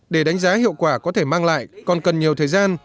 để đánh giá hiệu quả có thể mang lại còn cần nhiều thời gian